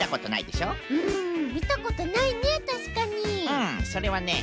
うんそれはね